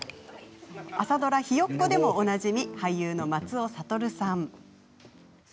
朝ドラ「ひよっこ」でもおなじみ俳優の松尾諭さん。